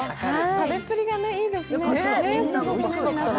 食べっぷりがいいですね。